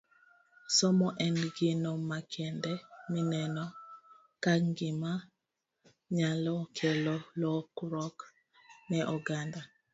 Somo en gino makende mineno ka gima nyalo kelo lokruok ne oganda